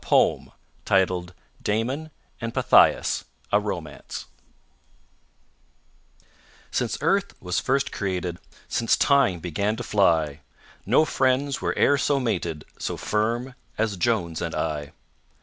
POEMS DAMON AND PYTHIAS A Romance Since Earth was first created, Since Time began to fly, No friends were e'er so mated, So firm as JONES and I.